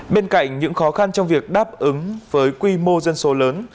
bên cạnh những khó khăn trong việc đáp ứng với quy mô dân số lớn